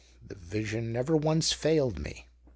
The vision never once failed me.